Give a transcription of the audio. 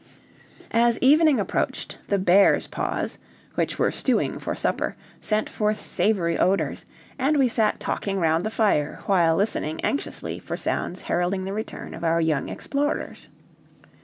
As evening approached, the bears' paws, which were stewing for supper, sent forth savory odors; and we sat talking round the fire, while listening anxiously for sounds heralding the return of our young explorers.